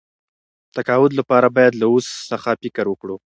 تقاعد لپاره باید له اوس څخه فکر وکړو.